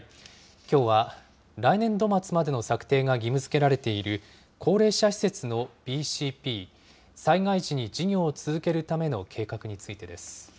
きょうは来年度末までの策定が義務づけられている高齢者施設のＢＣＰ、災害時に事業を続けるための計画についてです。